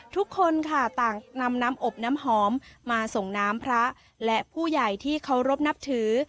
ทุกคนค่ะต่างนำน้ำอบน้ำหอมมาส่งน้ำพระและผู้ใหญ่ที่เคารพนับถือ